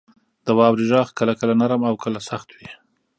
• د واورې غږ کله کله نرم او کله سخت وي.